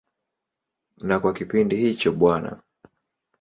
Na kwa kipindi hicho Bw.